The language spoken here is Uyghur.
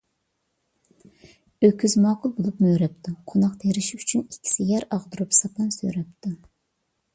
ئۆكۈز ماقۇل بولۇپ مۆرەپتۇ. قوناق تېرىش ئۈچۈن ئىككىسى يەر ئاغدۇرۇپ ساپان سۆرەپتۇ.